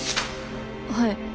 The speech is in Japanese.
はい。